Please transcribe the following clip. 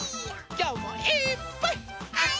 きょうもいっぱい。